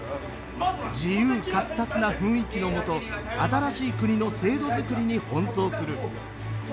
自由闊達な雰囲気のもと新しい国の制度づくりに奔走する。